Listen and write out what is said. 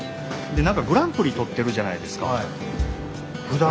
何かグランプリ取ってるじゃないですか。